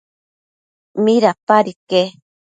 ¿midapad iquec?